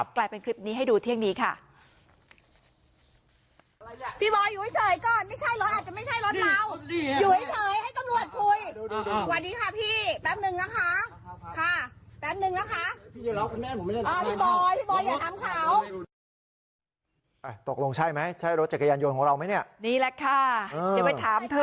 กลายเป็นคลิปนี้ให้ดูเที่ยงนี้ค่ะ